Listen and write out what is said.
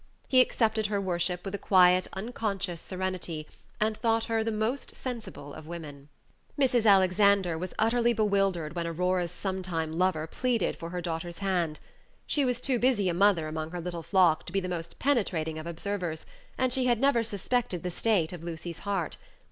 He accepted her worship with a quiet, unconscious serenity, and thought her the most sensible of women. Mrs. Alexander was utterly bewildered when Aurora's sometime lover pleaded for her daughter's hand. She was too busy a mother among her little flock to be the most penetrating of observers, and she had never Page 70 suspected the state of Lucy's heart.